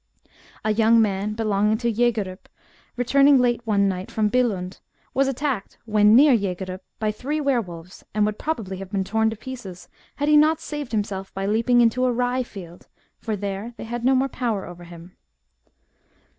A young man belonging to Jagerup returning late one night from Billund, was attacked, when near Jagerup, by three were wolves, and would probably 112 THE BOOK OF WERE WOLVES. have been torn to pieces, had he not saved himself by leaping into a rye field, for there they had no more power over him.